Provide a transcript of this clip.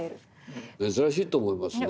珍しいと思いますね。